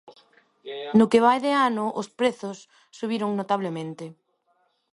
No que vai de ano os prezos subiron notablemente.